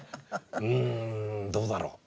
うんどうだろう。